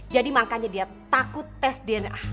jadi makanya dia takut tes dna